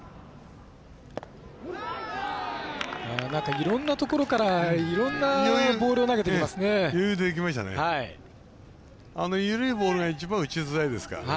いろんなところからいろんなボールを投げてきますね。